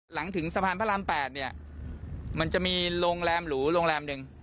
ถึงสะพานพระราม๘เนี่ยมันจะมีโรงแรมหรูโรงแรมหนึ่ง